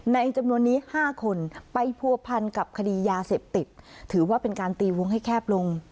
จำนวนนี้๕คนไปผัวพันกับคดียาเสพติดถือว่าเป็นการตีวงให้แคบลง